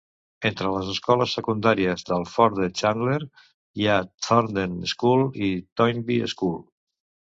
Entre les escoles secundàries del Ford de Chandler hi ha Thornden School i Toynbee School.